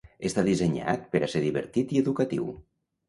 Està dissenyat per a ser divertit i educatiu.